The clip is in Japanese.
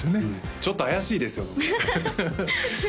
ちょっと怪しいですよ野村さん